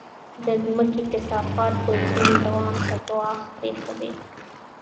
د مځکې کثافات د ژوند دوام ته ګواښ پېښوي.